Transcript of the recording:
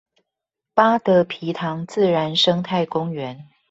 八德埤塘自然生態公園